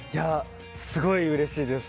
すごいうれしいです。